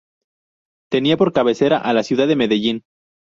Tenía por cabecera a la ciudad de Medellín.